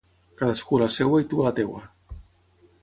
Cadascú a la seua i tu a la teua.